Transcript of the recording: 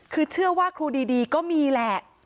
คือเชื่อว่าครูดีก็มีแหละ